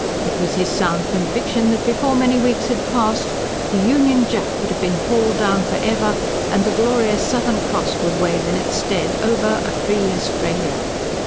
It was his sound conviction that before many weeks had passed, the Union Jack would have been hauled down for ever, and the glorious Southern Cross would wave in its stead, over a free Australia.